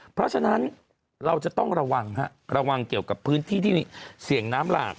เพราะฉะนั้นเราจะต้องระวังฮะระวังระวังเกี่ยวกับพื้นที่ที่มีเสี่ยงน้ำหลาก